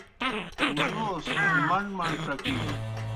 مُلوس مݨ مݨ ڇکِینوْ۔